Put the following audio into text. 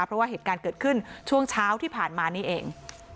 เพราะว่าเหตุการณ์เกิดขึ้นช่วงเช้าที่ผ่านมานี่เอง